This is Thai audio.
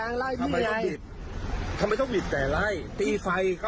อ้าวพี่เมาใช่ไหม